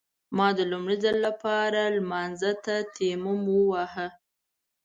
ما د لومړي ځل لپاره لمانځه ته تيمم وواهه.